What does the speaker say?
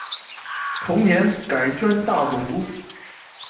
同年改宣大总督。